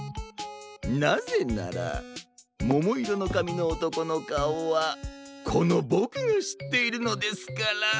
なぜならももいろのかみのおとこのかおはこのボクがしっているのですから。